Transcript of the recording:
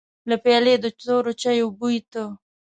له پيالې د تورو چايو بوی ته.